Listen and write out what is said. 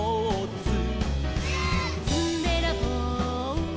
「ずんべらぼう」「」